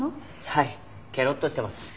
はいケロッとしてます。